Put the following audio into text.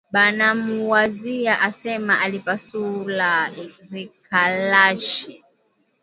Banamuwazia asema alipasula rikalashi